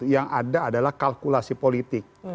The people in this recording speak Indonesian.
yang ada adalah kalkulasi politik